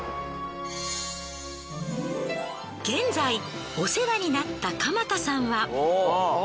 現在お世話になったかま田さんは。